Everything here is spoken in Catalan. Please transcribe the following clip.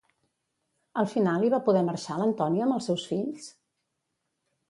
Al final, hi va poder marxar l'Antònia amb els seus fills?